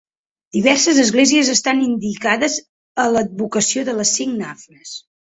Diverses esglésies estan dedicades a l'advocació de les Cinc Nafres.